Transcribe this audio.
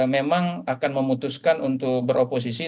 memang akan memutuskan untuk beroposisi